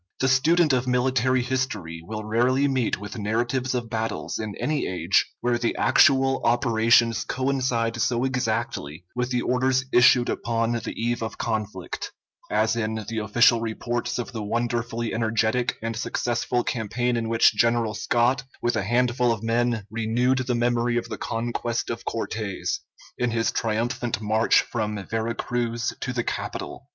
The student of military history will rarely meet with narratives of battles in any age where the actual operations coincide so exactly with the orders issued upon the eve of conflict, as in the official reports of the wonderfully energetic and successful campaign in which General Scott with a handful of men renewed the memory of the conquest of Cortes, in his triumphant march from Vera Cruz to the capital.